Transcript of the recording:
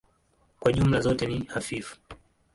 Kwa jumla zote ni hafifu.